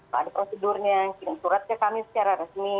kalau ada prosedurnya kirim surat ke kami secara resmi